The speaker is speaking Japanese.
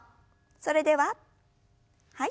それでははい。